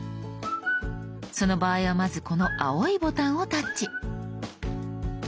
その場合はまずこの青いボタンをタッチ。